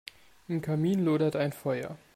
Im Kamin lodert ein Feuer.